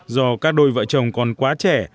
do các đôi vợ chồng còn quá trẻ